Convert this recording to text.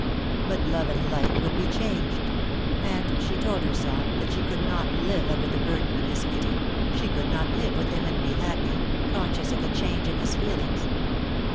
But love and life would be changed; and she told herself that she could not live under the burden of his pity, she could not live with him and be happy, conscious of the change in his feelings.